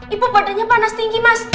ibu badannya panas tinggi mas